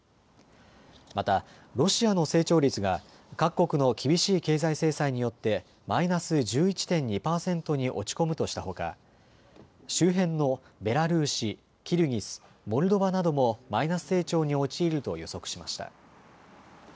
またロシアの成長率が各国の厳しい経済制裁によってマイナス１１．２％に落ち込むとしたほか周辺のベラルーシ、キルギス、モルドバなどもマイナス成長に陥ると予測しました。